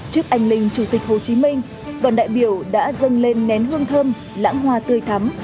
trước anh linh chủ tịch hồ chí minh đoàn đại biểu đã dâng lên nén hương thơm lãng hoa tươi thắm